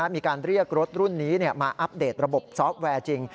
มีการเรียกรถรุ่นนี้มาอัปเดตระบบซอฟต์แวร์จริง